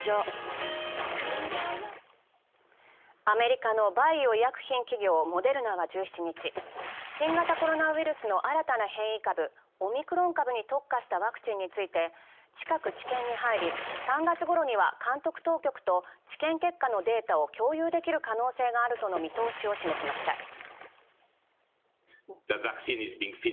アメリカのバイオ医薬品企業、モデルナは１７日、新型コロナウイルスの新たな変異株、オミクロン株に特化したワクチンについて、近く、治験に入り３月ごろには監督当局と治験結果のデータを共有できる可能性があると見通しを示しました。